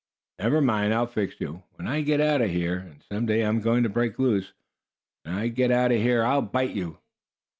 Never mind! I'll fix you! When I get out of here and some day I'm going to break loose when I get out of here, I'll bite you."